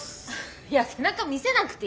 いや背中見せなくていいから。